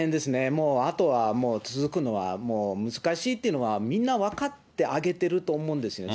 もうあとは続くのは難しいっていうのはみんな分かってあげてると思うんですよね。